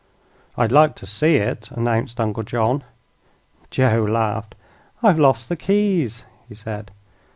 "I'd like to see it," announced Uncle John. Joe laughed. "I've lost the keys," he said.